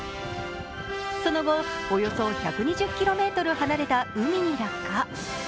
その後、およそ１２０ｋｍ離れた海に落下。